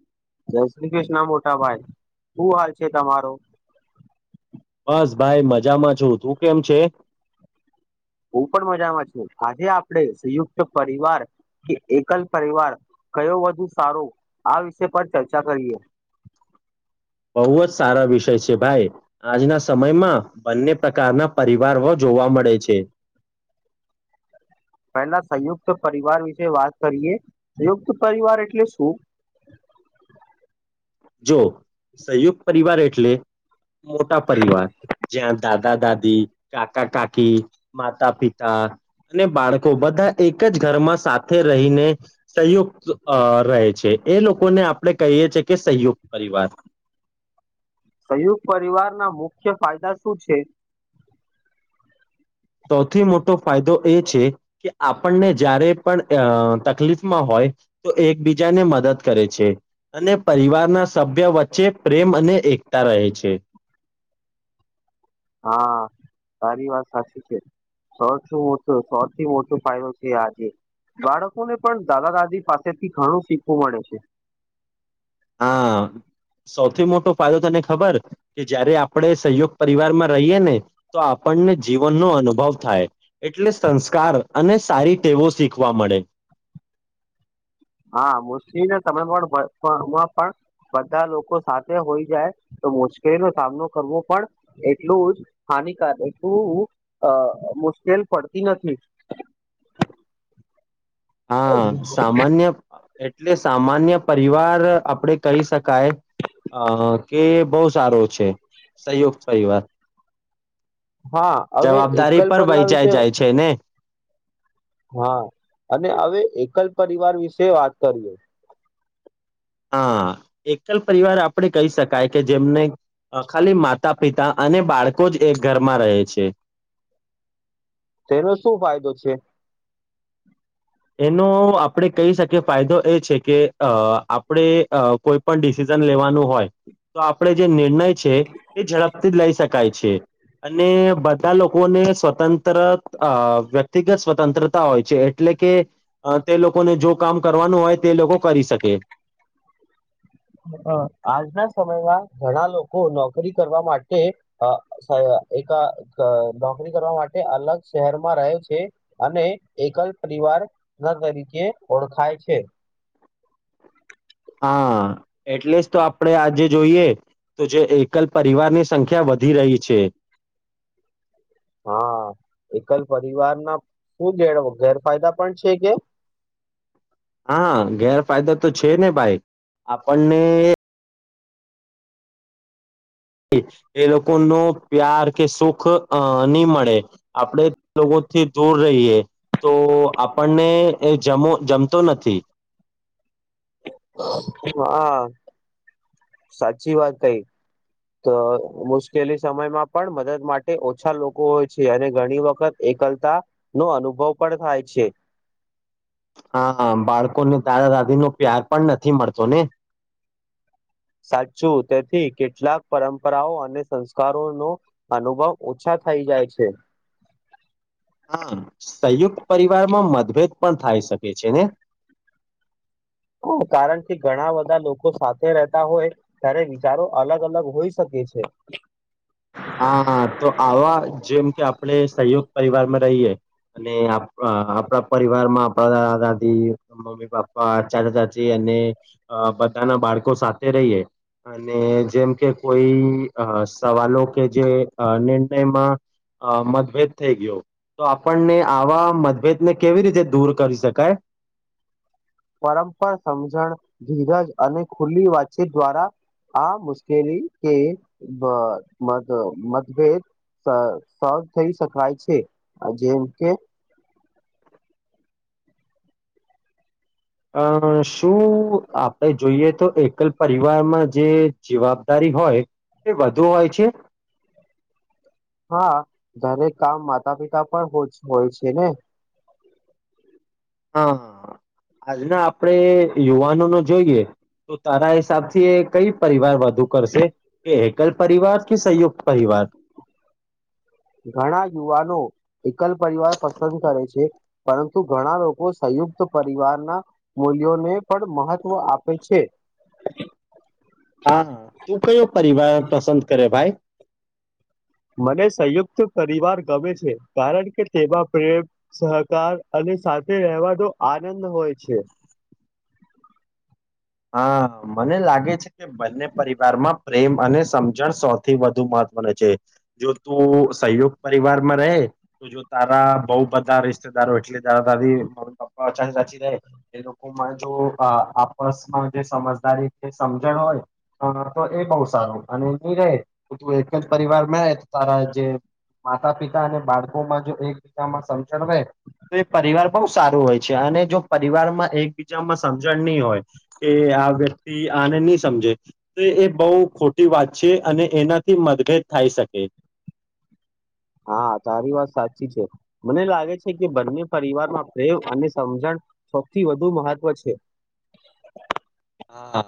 [inaudible] જય શ્રી કૃષ્ણ મોટા ભાઈ શું હાલ છે તમારો? બસ ભાઈ મજામાં છું તું કેમ છે? હું પણ મજામાં છું આજે આપડે સંયુક્ત પરિવાર કે એકલ પરિવાર કયો વધુ સારો આ વિષય પર ચર્ચા કરીએ કય છે ભાઈ આજના સમયમાં બંને પ્રકારના પરિવાર હો જોવા મડે છે [inaudible] પેલા સંયુક્ત પરિવાર વિશે વાત કરીએસંયુક્ત પરિવાર એટલે શું? [inaudible] જો સંયુક્ત પરિવાર એટલે મોટા પરિવાર જ્યાં દાદા-દાદી, કાકા-કાકી, માતા-પિતા અને બાળકો બધા એક જ ઘરમાં સાથે રહીને સયુક્ત અ રહે છે એ લોકોને આપડે કહીએ છીએ કે સંયુક્ત પરિવાર સંયુક્ત પરિવારના મુખ્ય ફાયદા શું છે? સૌથી મોટો ફાયદો એ છે કે આપણને જ્યારે પણ તકલીફમાં હોય તો એકબીજાને મ દદ કરે છે અને પરિવારના સભ્ય વચ્ચે પ્રેમ અને એકતા રહે છે હા તારી વાત સાચી છે સૌથી મોટુ સૌથી મોટો ફાયદો છે આજે બાળકોને પણ દાદા દાદી પાસેથી ઘણું શીખવું મળે છે હા સૌથી મોટો ફાયદો તને ખબર કે જયારે આપડે સહયોગ પરિવાર માં રહીએ ને તો આપ પણને જીવનનો અનુભવ થાય એટલે સંસ્કાર અને સારી ટેવો શીખવા મળે [inaudible] હા મુસ્લીને તમે પણમાં પણ બધા લોકો સાથે હોય જાય તો મુશ્કેલીનો સામનો કરવો પણ એટલું જ હાનિકારક એટલું અ મુશ્કેલ પડતી નથી હા સામાન્ય એટલે સામાન્ય પરિવાર આપડે કહી શકાય અ કે બઉ સારો છે સંયુક્ત પરિવાર હા અવે જવાબદારી એકલ પર પરિવાર વહેંચાઈ વિશે જાય છે ને હા અને અવે એકલ પરિવાર વિશે વાત કરીએ હા એકલ પરિવાર આપડે કહી શકાય કે જેમને ખાલી માતા પિતા અને બાળકો જ એક ઘરમાં રહે છે તેનો શું ફાયદો છે? એનો આપડે કહી શકીએ ફાયદો એ છે કે અ આપડે અ કોઈ પણ ડિસિઝન લેવાનું હોય તો આપડે જે નિર્ણય છે એ ઝડપથી જ લઈ શકાય છે અને બધા લોકોને સ્વતંત્ર અ વ્યક્તિગત સ્વતંત્રતા હોય છે એટલે કે અ તે લોકોને જો કામ કરવાનું હોય તે લોકો કરી શકે અ આજના સમયમાં ઘણા લોકો નોકરી કરવા માટે અ સ એક ક નોકરી કરવા માટે અલગ શહેરમાં રહે છે અને એકલ પરી વાર ન તરીકે ઓળખાય છે હા એટલે જ તો આપડે આજે જોઈએ તો જે એકલ પરિવારની સંખ્યા વધી રહી છે અચ હા એકલ પરિવારના શું ગેર ગેરફાયદા પણ છે કે? હ હા ગેરફાયદા તો છે ને ભાઈ આપણને એ લોકો નો પ્યાર કે સુખ અ નહી મળે આપડે લોકો થી દૂર રહીએ તો આપણને એ જ જમતો નથી હા સાચી વાત કઈ તો મુશ્કેલી સમયમાં પણ મદદ માટે ઓછા લોકો હોય છે અને ઘણી વખત એકલતા નો અનુભવ પણ થાય છે હા બાળકો ને દાદા દાદી નો પ્યાર પણ નથી મળતો ને સાચું તેથી કેટલાક પરંપરાઓ અને સંસ્કારો નો અનુભવ ઓછા થઈ જાય છે હા સંયુક્ત પરિવારમાં મતભેદ પણ થાય શકે છે ને કારણ કે ઘણા બધા લોકો સાથે રહેતા હોય ત્યારે વિચારો અલગ અલગ હોઈ શકે છે હા તો આવા જેમ કે આપણે સહયોગ પરિવારમાં રહીએ અને આપણા પરિવાર માં આપડાાા દાદી મમ્મી પપા ચાચા ચાચી બધાના બાળકો સાથે રહીએ અને જેમ કે કોઈ સવાલો કે જે નિર્ણયમાં અ મતભેદ થઈ ગયો તો આપણને આવા મતભેદને કેવી રીતે દૂર કરી શકાય પરંપરા સમજણ ધીરજ અને ખુલ્લી વાતચીત દ્વારા આ મુશ્કેલી કે મતભેદ સ થઈ શકાય છે જેમ કે શું આપણે જોઈએ તો એકલ પરિવારમાં જે જવાબદારી હોય તે વધુ હોય છે હા દરેક કામ માતા પિતા પર હોય છે ને હા આજના આપડે યુવાનો નો જોઈએ તો તારા હિસાબ થી કઈ પરિવાર વધ કરશે એકલ પરિવાર કે સંયુક્ત પરિવાર ઘણા યુવાનો એકલ પરિવાર પસંદ કરે છે પરંતુ ઘણા લોકો યુક્ત પરિવારના મૂલ્યોને પણ મહત્વ આપે છે [inaudible] હા તું કયો પરિવાર પસંદ કરે ભાઈ મને સંયુક્ત પરિવાર ગમે છે કારણ કે તેમાં પ્રેમ સહકાર અને સાથે રહેવા તો આનંદ હોય છે હા મને લાગે છે કે બંને પરિવારમાં પ્રેમ અને સમજણ સૌથી વધુ મળ જો તું સહયોગ પરિવારમાં ર તો જો તારા બહ બધા [unintelligible] ો એટલે મમ્ી પપ્પા અચાનક સાચી રહે એ લોકોને જો આપ [inaudible] જે સમજદારી સમજણ હોય તો એ બહ સારું અને નની રહેું એ પરિવાર મે તારા જે માતા પિતા અને બાળકોમાં જો એકબીજામાં સમજણ રે તો એ પરિવાર બહુ સારું હોય છે અને જો પરિવારમાં એકબીજામાં સમજણ નહી હોય કે આ વ્યક્તિ આને નહી સમજે તો એ બહ ખોટી વાત છે અને એનાથી મતભેદ થાય શકે હા તારી વાત સાચી છે મને લાગે છે કે બંને પરિવારમાં પ્રેમ અને સમજણ સૌથી વધુ મહત્વ છે હા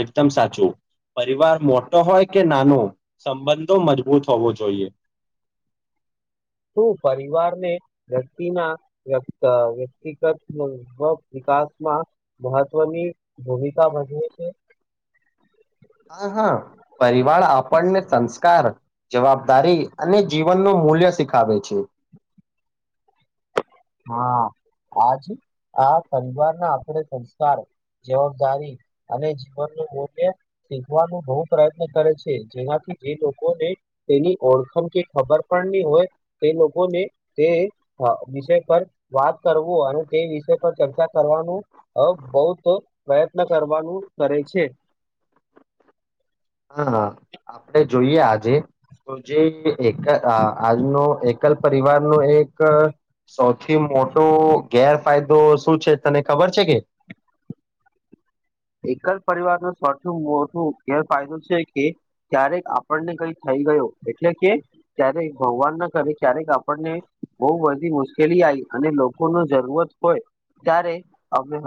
એકદમ સાચું પરિવાર મોટો હોય કે નાનો સંબંધો મજબૂત હોવો જોઈએ શું પરિવારને વ્યક્તિના અ વ્યક્તિગત [unintelligible] વિકાસમાં મહત્વની ભૂમિકા ભજવે છે. હા હા પરિવાર આપણને સંસ્કાર, જવાબદારી અને જીવનનું મૂલ્ય શીખાવે છે. હા આજ આ સંજવાના આપણે સંસ્કાર જવાબદારી અને જીવનનું મૂલ્ય શીખવાનું બોવ પ્રયત્ન કરે છે જેના એ લોકોને તેની ઓળખમ કે ખબર પણ ની હોય તે લોકોને તે હા વિશે પર વાત કરવું અને તે વિષય પર ચર્ચા કરવાનું અ બોવ ત પ્રયત્ન કર વાનું કરે છે. હા આપડે જોઈએ આજે તો જે એક આ આજનો એ કલ પરિવારનો એક સૌથી મોટો ગેરફાયદો શું છે, તને ખ બર છે કે? [inaudible] એકલ પરિવારન સૌથી મોટો ગેરફાયદો છે, કે ક્યારેક આપણને કઈ થ ય ગયો એટલે કે જ્યારે ભગવાનના કરે ક્યારેક આપણને બોવ બધી મુશ્કેલી આ અને લોકોનો જરૂરત હોય ત્યારે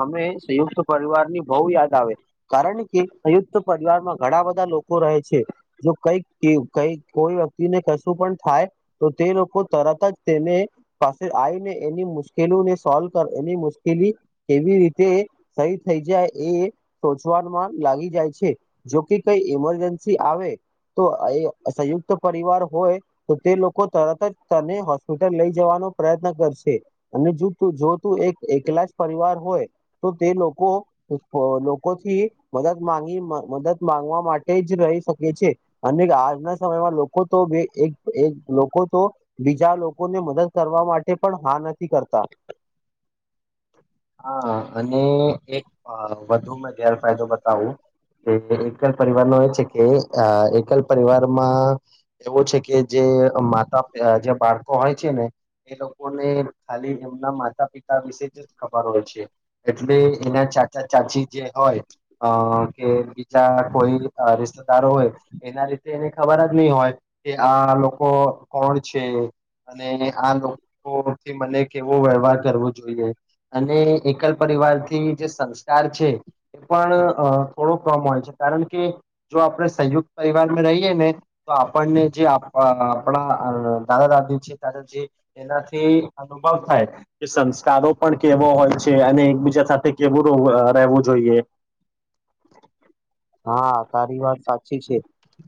અમે સંયુક્ત પરિવારની બોવ યાદ આવે કારણ કે સયુક્ત પરિવારમાં ઘણા બધા લોકો રહે છે, જો કઈક કઈક કોઈ વ્યક્તિને કશું પણ થાય તો તે લોકો તરત જ તેને પાસે આ વીને એની મુશ્કેલીને સોલ્વ કર એની મુશ્કેલી કેવી રીતે સહી થઈ જાય એ સોચવામાં લાગી જાય છે, જોકે કઈ ઈમરજન્સી આવે તો એ સંયુક્ત પરિવાર હોય તો તે લોકો તરત જ તને હોસ્પિટલ લઈ જવા નો પ્રયત્ન કરશે અને જો તું જો તુ એક એકલા જ પરિવાર હોય તો તે લોકો લોકોથી મદદ માંગી મદદ માંગવા માટે જ રહી શકે છે, અને આજના સમયમાં લોકો તો બે એક લોકો તો બીજા લોકોને મદદ કરવા મા તે પણ હા નથી કરતા હા અને એક વધુ મે ગેરફાયદો બતાવું કે એકલ પરિવારનો છે, કે આ એકલ પરિવારમાં એવો છે, કે જે માતા જે બાળકો હોય છે ને એ લોકોને ખાલી એમના માતા પિતા વિશે જ ખબર હોય છે, એટલે એના ચાચા ચાચી જે હોય અ કે બીજા કોઈ અ રિસ્દારો હોય એના રીતે એને ખબર જ નહી હોય કે આ લોકો કોણ છે, અને આ લોકોથી મને કેવો વ્યવહાર કરવો જોઈએ અને એકલ પરિવારથી જે સંસ્કાર છે. એ પણ અ થોડું કમ હોય છે, કારણ કે જો આપણે સંયુક્ત પરિવારમાં રહીએ ને તો આપણને જે અ આપણા દાદા દાદી છે, [unintelligible] એનાથી અનુભ વ થાય કે સંસ્કારો પણ કેવો હોય છે, અને એકબીજા સાથે કેવું રોવુ અ રહેવું જોઈએ હા તારી વાત સાચી છે,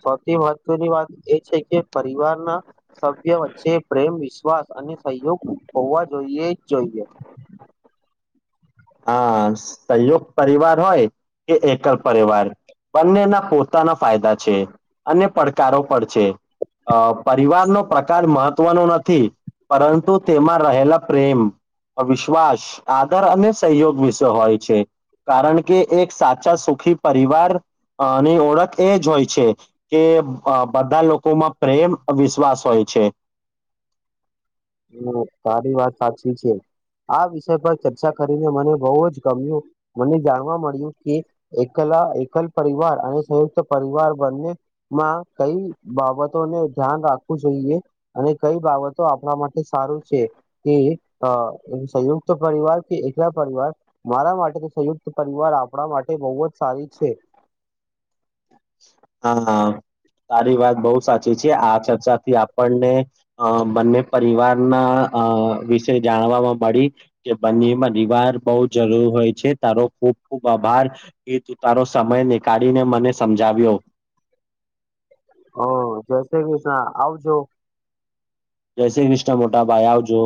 સૌથી મહત્વની વાત એ છે, કે પરિવારના સભ્ય વચ્ચે પ્રેમ, વિશ્વાસ અને સહયોગ હોવા જોઈએ જ જોઈએ હા સંયુક્ત પરિવાર હોય કે એકલ પરિવાર બંનેના પોતાના ફાયદા છે, અને પડકારો પણ છે. અ પરિવારનો પ્રકાર મહત્વનો નથી. પરંતુ તેમાં રહેલા પ્રેમ, વિશ્વાસ, આદર અને સહયોગ વિશે હોય છે, કારણ કે એક સાચા સુખી પરિવાર અની ઓળખ એ જ હોય છે, કે અ બધા લોકોમાં પ્રેમ વિશ્વાસ હોય છે. હ તારી વાત સાચી છે આ વિષય પર ચર્ચા કરીને મને બઉજ ગમ્યું મને જાણવા મળ્યું કે એકલ તા એકલ પરિવાર અને સંયુક્ત પરિવાર બંને માં કઈ બાબતોને ધ્યા ન રાખવું જોઈએ અને કઈ બાબતો આપણા મા ટે સારું છે કે અ સંયુક્ત પરિવાર કે એકલા પરિવાર મારા મા તે તો સંયુક્ત પરિવાર આપડા માટે બવ જ સારી છે હા હા તારી વાત બઉ સાચી છે આ ચર્ચાથી આપણને અ બંને પરિવારના અ વિષય જાણવાવામાં મળી કે બંનેમાં પરિવાર બઉ જરૂરી હોય છે તારો ખુ ખબ ખુબ આભાર એ કે તારો સમય નીકાળીને મને સમજાવ્યો હા જય શ્રી કૃષ્ણ આવજો જય શ્રી કૃષ્ણ મોટા ભાઈ આવજો